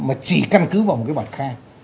mà chỉ căn cứ vào một cái bản khai